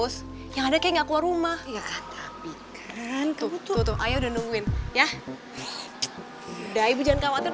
sampai jumpa lagi